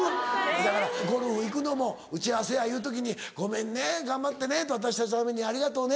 せやからゴルフ行くのも「打ち合わせや」言う時に「ごめんね頑張ってね私たちのためにありがとね」